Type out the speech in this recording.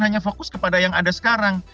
hanya fokus kepada yang ada sekarang